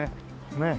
ねえ。